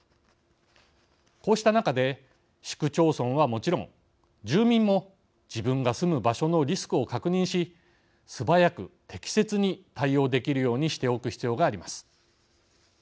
こうした中で市区町村はもちろん、住民も自分が住む場所のリスクを確認し素早く適切に対応できるようにしておく必要があります。